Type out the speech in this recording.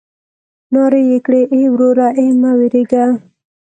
نارې يې کړې ای وروره ای مه وېرېږه.